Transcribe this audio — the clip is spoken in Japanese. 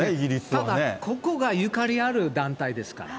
ただ、ここがゆかりある団体ですから。